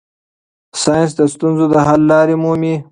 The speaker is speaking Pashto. ساینس د ستونزو د حل لارې مومي.